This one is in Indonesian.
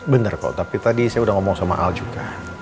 benar kok tapi tadi saya udah ngomong sama al juga